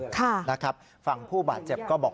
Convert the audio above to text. ค่ะนะครับฝั่งผู้บาดเจ็บก็บอก